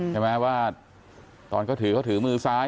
ใช่ไหมว่าตอนก็ถึงก็ถึงมือซ้าย